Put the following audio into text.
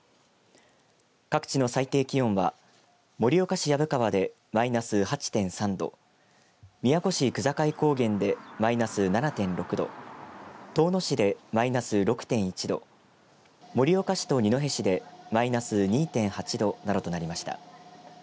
各地の最低気温は盛岡市薮川でマイナス８．３度宮古市区界高原でマイナス７．６度遠野市でマイナス６．１度盛岡市と二戸市でマイナス２．８度などとなりました。